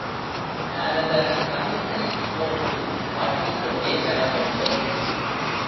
நாரதர் கதித்தை போட்டு ஆடிக் கொண்டே வரவேண்டும்.